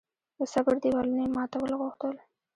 د صبر دېوالونه یې ماتول غوښتل.